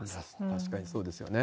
確かにそうですよね。